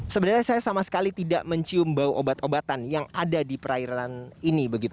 sebenarnya saya sama sekali tidak mencium bau obat obatan yang ada di perairan ini begitu